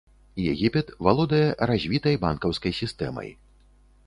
Егіпет валодае развітай банкаўскай сістэмай.